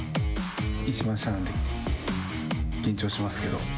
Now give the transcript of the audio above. いちばん下なんで緊張しますけど。